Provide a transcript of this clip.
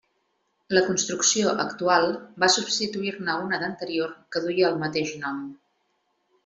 La construcció actual va substituir-ne una d'anterior que duia el mateix nom.